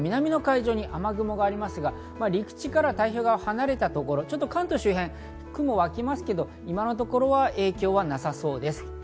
土曜日以降、南の海上に雨雲がありますが、陸地から太平洋側、離れたところ、関東周辺、雲がわきますけど、今のところ影響はなさそうです。